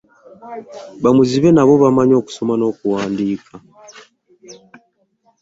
Bamuzibe nabo bamanyi okusoma n'okuwandiika.